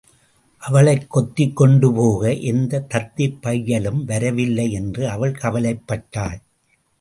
அவளைக் கொத்திக்கொண்டு போக எந்தத் தத்திப் பையலும் வரவில்லை என்று அவள் கவலைப் பட்டாள்.